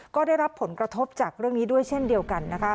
ก็ได้รับผลกระทบจากเรื่องนี้ด้วยเช่นเดียวกันนะคะ